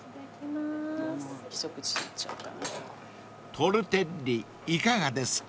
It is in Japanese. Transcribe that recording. ［トルテッリいかがですか？］